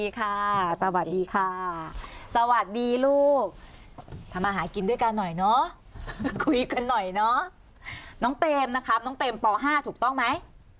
คุยกันหน่อยเนอะน้องเตมนะครับน้องเตมปห้าถูกต้องไหม